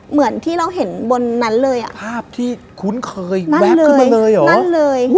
เหมือนที่เราเห็นบนนั้นเลยอ่ะภาพที่คุ้นเคยนั่นเลยนั่นเลย